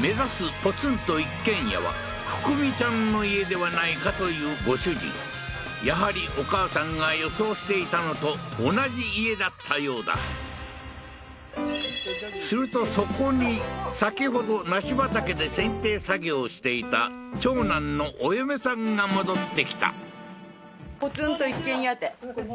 目指すポツンと一軒家はフクミちゃんの家ではないかというご主人やはりお母さんが予想していたのと同じ家だったようだするとそこに先ほど梨畑でせんてい作業をしていた長男のお嫁さんが戻ってきたすいません